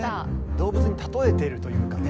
動物に例えてるというかね。